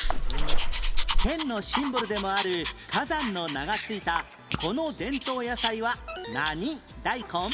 県のシンボルでもある火山の名が付いたこの伝統野菜は何大根？